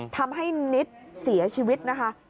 ทำให้นิดเสียชีวิตนะคะ